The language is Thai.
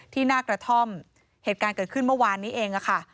หน้ากระท่อมเหตุการณ์เกิดขึ้นเมื่อวานนี้เองค่ะ